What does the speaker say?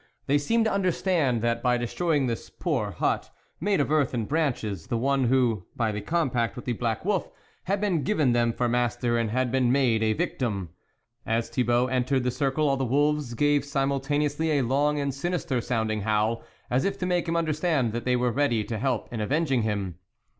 They seemed to understand that by destroying this poor hut, made of earth and branches, the one who, by the compact with the black wolf, had been given them for master, had been made a victim. As Thibault entered the circle, all the wolves gave simultaneously a long and sinister sounding howl, as if to make him understand that they were ready to help in avenging him.